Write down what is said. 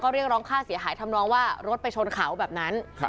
เรียกร้องค่าเสียหายทำนองว่ารถไปชนเขาแบบนั้น